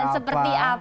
dan seperti apa sih